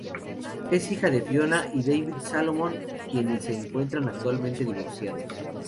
Es hija de Fiona, y David Solomon, quienes se encuentran actualmente divorciados.